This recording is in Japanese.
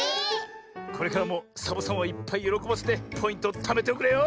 これからもサボさんをいっぱいよろこばせてポイントをためておくれよ。